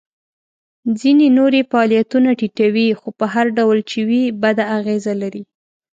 ځینې نور یې فعالیتونه ټیټوي خو په هر ډول چې وي بده اغیزه لري.